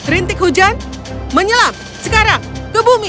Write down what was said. rintik hujan menyelam sekarang ke bumi